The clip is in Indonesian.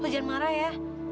lu jangan marah ya